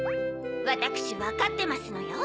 わたくしわかってますのよ。